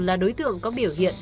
là đối tượng có biểu hiện